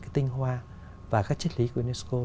những cái tinh hoa và các chiếc lý của unesco